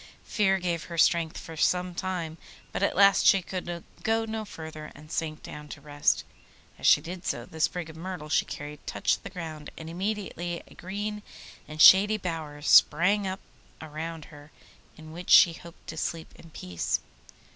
Fear gave her strength for some time, but at last she could go no further, and sank down to rest. As she did so, the sprig of myrtle she carried touched the ground, and immediately a green and shady bower sprang up round her, in which she hoped to sleep in peace.